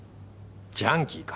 ジャンキーか。